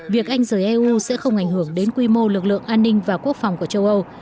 việc anh rời eu sẽ không ảnh hưởng đến quy mô lực lượng an ninh và quốc phòng của châu âu